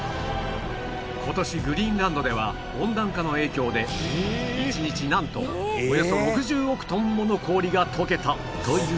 今年グリーンランドでは温暖化の影響で１日なんとおよそ６０億トンもの氷が溶けたというデータも